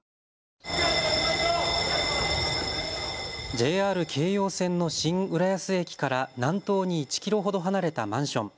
ＪＲ京葉線の新浦安駅から南東に１キロほど離れたマンション。